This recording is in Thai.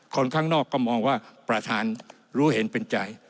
คนข้างนอกก็มองว่าประธานรู้เห็นเป็นใจ